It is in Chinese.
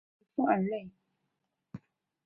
勒富尔内。